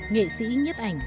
nghệ sĩ nhiếp ảnh